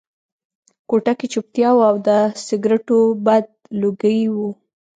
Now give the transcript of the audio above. کوټه کې چوپتیا وه او د سګرټو بد لوګي وو